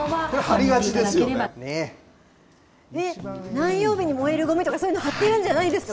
何曜日に燃えるごみとか、そういうの貼ってるんじゃないんですか？